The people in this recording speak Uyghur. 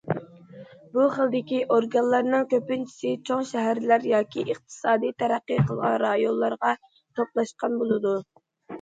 بۇ خىلدىكى ئورگانلارنىڭ كۆپىنچىسى چوڭ شەھەرلەر ياكى ئىقتىسادى تەرەققىي قىلغان رايونلارغا توپلاشقان بولىدۇ.